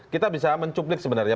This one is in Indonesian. kita bisa mencuplik sebenarnya